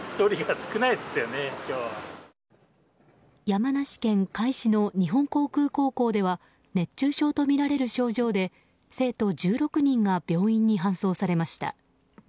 山梨県甲斐市の日本航空高校では熱中症とみられる症状で生徒１６人が病院に搬送されました。